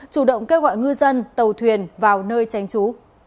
chủ động kêu gọi ngư dân tàu thuyền vào nơi tránh trú